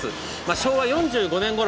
昭和４５年ころ